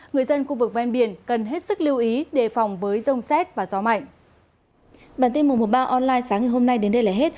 người dân khu vực ven biển cần hết sức lưu ý đề phòng với rông xét và gió mạnh